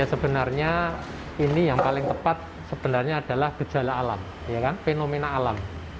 sebenarnya ini yang paling tepat sebenarnya adalah gejala alam fenomena alam